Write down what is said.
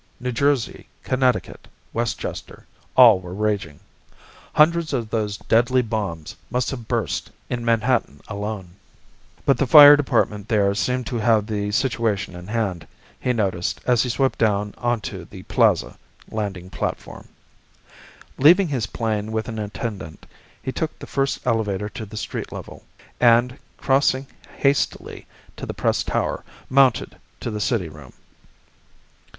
New Jersey, Connecticut, Westchester all were raging. Hundreds of those deadly bombs must have burst in Manhattan alone. But the fire department there seemed to have the situation in hand, he noticed as he swept down onto the Plaza landing platform. Leaving his plane with an attendant, he took the first elevator to the street level, and crossing hastily to the Press tower, mounted to the city room.